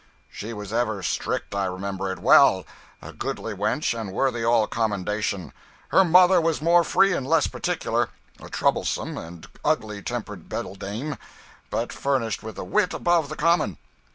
"She was ever strict I remember it well a goodly wench and worthy all commendation. Her mother was more free and less particular; a troublesome and ugly tempered beldame, but furnished with a wit above the common."